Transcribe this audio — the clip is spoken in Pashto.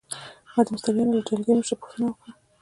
ما د مستریانو له ډلګۍ مشره پوښتنه وکړه.